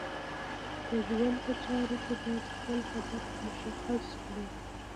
د ژوند په چارو کې باید خپل هدف مشخص کړو.